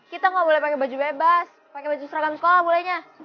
kita gak boleh pake baju bebas pake baju seragam sekolah bolehnya